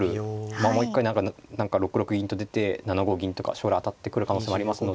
まあもう一回何か６六銀と出て７五銀とか将来当たってくる可能性もありますので。